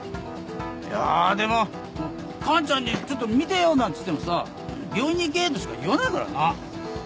いやでもカンちゃんにちょっと診てよなんつってもさ「病院に行け」としか言わないからな。